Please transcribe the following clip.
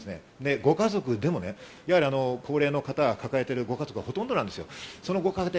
ご家族でもね、高齢の方を抱えているご家族がほとんどなんです。